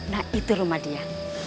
nah itu rumah dia